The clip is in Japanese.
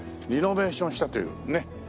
リノベーションしたというね。